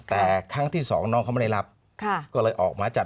แต่ครั้งที่สองน้องเขาไม่ได้รับก็เลยออกหมายจับ